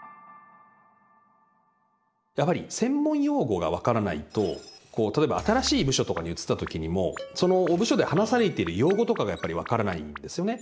やはり専門用語が分からないと例えば新しい部署とかに移ったときにもその部署で話されてる用語とかが分からないんですよね。